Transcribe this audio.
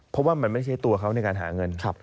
เพราะว่ามันไม่ใช่ตัวเขาในการหาเงิน